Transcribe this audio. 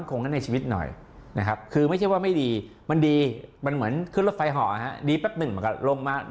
ก็รู้กันปีนี้ฟังเสียงหมอช้างค่ะ